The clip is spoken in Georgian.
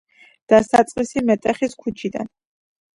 დასაწყისი მეტეხის ქუჩიდან.